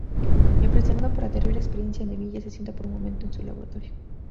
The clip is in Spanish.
Impresionado por la terrible experiencia, Neville se sienta por un momento en su laboratorio.